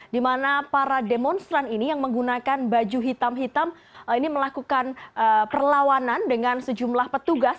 di mana para demonstran ini yang menggunakan baju hitam hitam ini melakukan perlawanan dengan sejumlah petugas